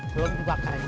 belum juga keren